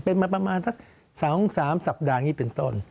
เป็นมาประมาณสัก๒๓สัปดาห์เป็นต้น